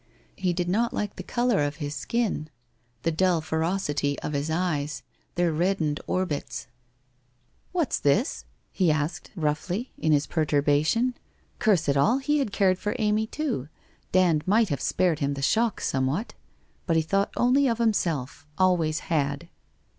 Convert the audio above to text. He did not like the colour of his skin, the dull ferocity of his eyes, their reddened orbits 1 What's this ?' he asked, roughly, in his perturbation. Curse it all ! He had cared for Amy too ! Dand might have spared him the shock somewhat! But he thought only of himself — always had.